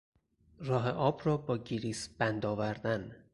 راه آب را با گریس بند آوردن